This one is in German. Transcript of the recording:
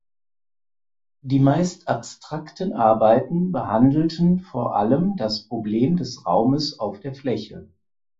Die meist abstrakten Arbeiten behandelten vor allem das Problem des Raumes auf der Fläche.